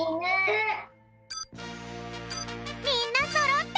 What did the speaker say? みんなそろった！